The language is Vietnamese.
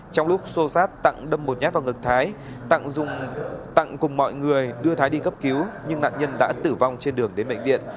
trong lúc xô sát tặng đâm một nhát vào ngực thái tặng cùng mọi người đưa thái đi cấp cứu nhưng nạn nhân đã tử vong trên đường đến bệnh viện